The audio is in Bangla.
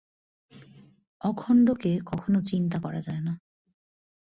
অখণ্ডকে কখনও চিন্তা করা যায় না।